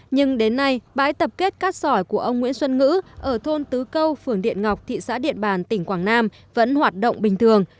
nhưng đến nay bãi tập kết cát sỏi của ông nguyễn xuân ngữ ở thôn tứ câu phường điện ngọc thị xã điện bàn tỉnh quảng nam vẫn hoạt động bình thường